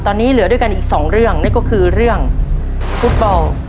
ตอนนี้เหลือด้วยกันอีกสองเรื่องนั่นก็คือเรื่องฟุตบอล